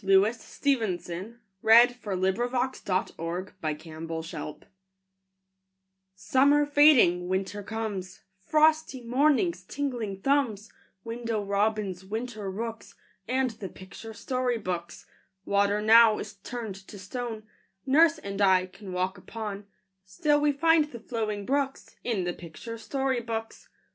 How great and cool the rooms! PICTURE BOOKS IN WINTER Summer fading, winter comes Frosty mornings, tingling thumbs, Window robins, winter rooks, And the picture story books. Water now is turned to stone Nurse and I can walk upon; Still we find the flowing brooks In the picture story books.